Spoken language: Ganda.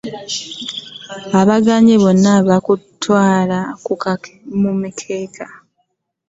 Abagenyi bonna baakutuula ku mikeeka.